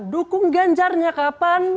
dukung ganjarnya kapan